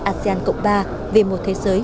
asean cộng ba về một thế giới